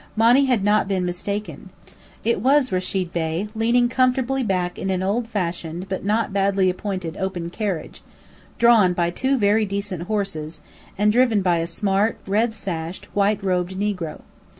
Monny had not been mistaken. It was Rechid Bey, leaning comfortably back in an old fashioned but not badly appointed open carriage, drawn by two very decent horses, and driven by a smart, red sashed, white robed negro.